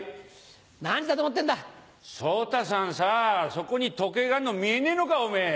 そこに時計があんの見えねえのかおめぇ！